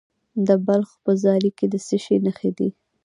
د بلخ په زاري کې د څه شي نښې دي؟